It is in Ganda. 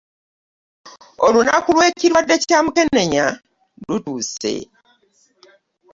Olunaku lw'ekirwadde kyamukeneya lutuuse .